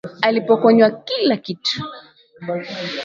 Alipokonywa kila kitu